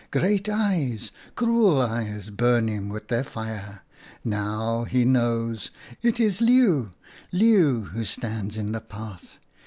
Great eyes — cruel eyes burn him with their fire. Now he knows. It is Leeuw !— Leeuw who stands in the path